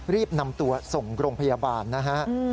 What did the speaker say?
รีบนำตัวส่งโรงพยาบาลนะฮะ